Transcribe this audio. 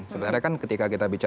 sebenarnya kan ketika kita bicara